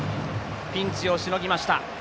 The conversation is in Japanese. ピンチをしのぎました。